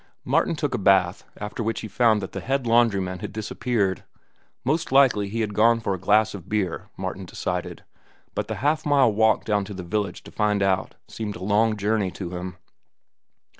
Martin took a bath, after which he found that the head laundryman had disappeared. Most likely he had gone for a glass of beer Martin decided, but the half mile walk down to the village to find out seemed a long journey to him.